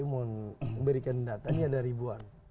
memberikan data ini ada ribuan